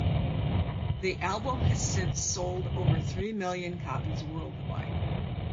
The album has since sold over three million copies worldwide.